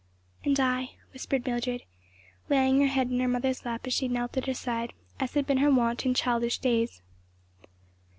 "And I," whispered Mildred, laying her head in her mother's lap as she knelt at her side, as had been her wont in childish days.